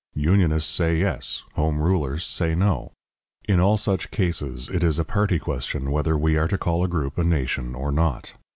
Unionists say yes, Home Rulers say no. In all such cases it is a party question whether we are to call a group a nation or not.